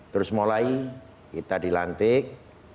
terus mulai kita dilantik